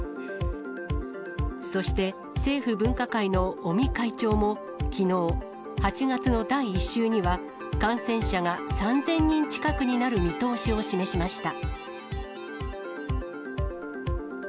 そして、政府分科会の尾身会長もきのう、８月の第１週には、感染者が３０００人近くになる見通しを示しました。